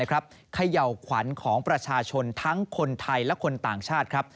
เขย่าขวัญของประชาชนทั้งคนไทยและคนต่างชาติครับ